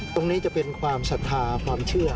ตรงนี้จะเป็นความศรัทธาความเชื่อ